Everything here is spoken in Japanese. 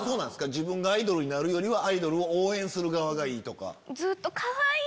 自分がアイドルになるよりはアイドルを応援する側がいいとか。